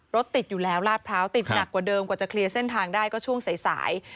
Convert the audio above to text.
รถติดอยู่แล้วลาดพร้าวติดหนักกว่าเดิมกว่าจะเคลียร์เส้นทางได้ก็ช่วงสาย